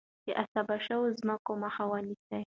د غصب شوو ځمکو مخه ونیسئ.